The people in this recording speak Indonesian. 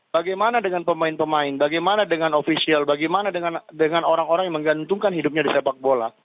bagaimana dengan pemain pemain bagaimana dengan ofisial bagaimana dengan orang orang yang menggantungkan hidupnya di sepak bola